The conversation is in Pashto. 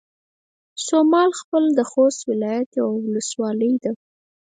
سومال خيل د خوست ولايت يوه ولسوالۍ ده